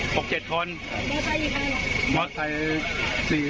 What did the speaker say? โดยเฉพาะอยู่ที่ไหนหรอ